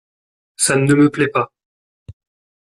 Ça ne me plait pas.